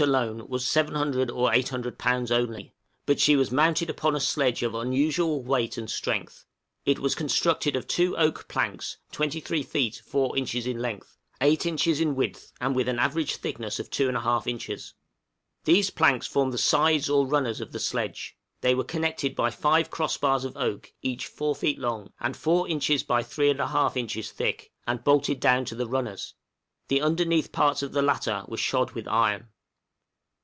} The weight of the boat alone was about 700 or 800 lbs. only, but she was mounted upon a sledge of unusual weight and strength. It was constructed of two oak planks 23 feet 4 inches in length, 8 inches in width, and with an average thickness of 2 1/2 inches. These planks formed the sides or runners of the sledge; they were connected by five cross bars of oak, each 4 feet long, and 4 inches by 3 1/2 inches thick, and bolted down to the runners; the underneath parts of the latter were shod with iron.